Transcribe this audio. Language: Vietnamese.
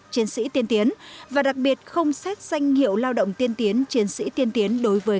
chiến sĩ tiên tiến và đặc biệt không xét danh hiệu lao động tiên tiến chiến sĩ tiên tiến đối với